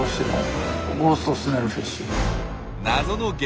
謎の激